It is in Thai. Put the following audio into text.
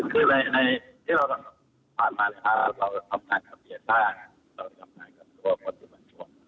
คือในที่เราผ่านมาเราทำงานกับเบียดท่าเราทำงานกับทุกคนที่มาช่วง